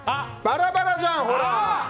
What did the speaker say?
バラバラじゃん、ほら！